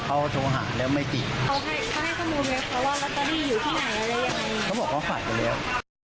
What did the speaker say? เขาบอกว่าเขาฝ่ายไปแล้ว